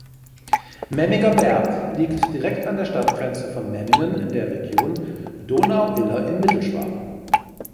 Memmingerberg liegt direkt an der Stadtgrenze von Memmingen in der Region Donau-Iller in Mittelschwaben.